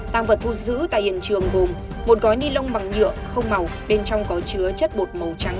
tăng vật thu giữ tại hiện trường gồm một gói ni lông bằng nhựa không màu bên trong có chứa chất bột màu trắng